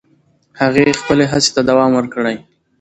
هغې خپل هڅې ته دوام ورکړ.